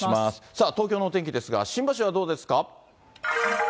さあ、東京のお天気ですが、新橋はどうですか。